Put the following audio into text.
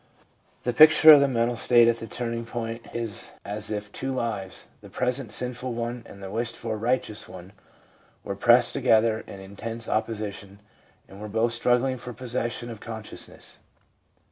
The picture of the mental state at the turning point is as if two lives, the present sinful one and the wished for righteous one, were pressed together in intense opposi tion, and were both struggling for possession of con sciousness.